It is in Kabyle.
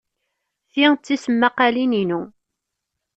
Ti d tismaqqalin-inu.